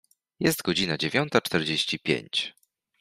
Jest godzina dziewiąta czterdzieści pięć.